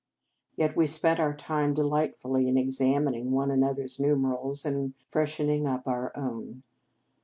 Yet we spent our time delight fully in examining one another s nu merals, and freshening up our own.